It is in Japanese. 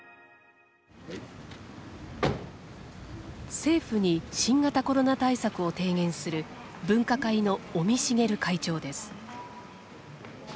政府に新型コロナ対策を提言する分科会の尾身茂会長です。